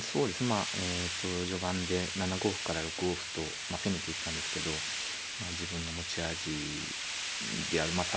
まあえと序盤で７五歩から６五歩と攻めていったんですけど自分の持ち味であるまあ